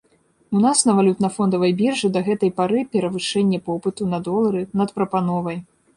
У нас на валютна-фондавай біржы да гэтай пары перавышэнне попыту на долары над прапановай.